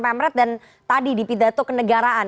pemret dan tadi di pidato kenegaraan